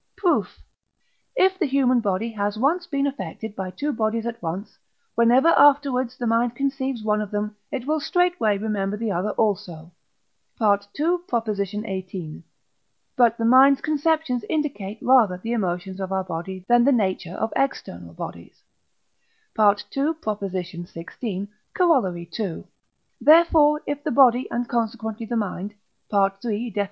Proof. If the human body has once been affected by two bodies at once, whenever afterwards the mind conceives one of them, it will straightway remember the other also (II. xviii.). But the mind's conceptions indicate rather the emotions of our body than the nature of external bodies (II. xvi. Coroll. ii.); therefore, if the body, and consequently the mind (III. Def.